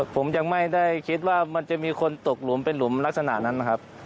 ผมยังไม่ได้คิดว่ามันจะมีคนตกหลุมเป็นหลุมลักษณะนั้นนะครับ